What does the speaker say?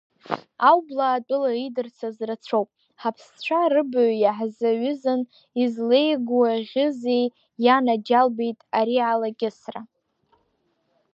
Аублаатәыла идырцаз рацәоуп, ҳаԥсцәа рыбаҩ иаҳзаҩызан, излеигуаӷьызеи, ианаџьалбеит ари алакьысра?